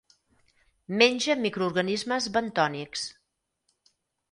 Menja microorganismes bentònics.